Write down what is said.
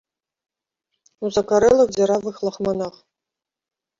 У закарэлых дзіравых лахманах.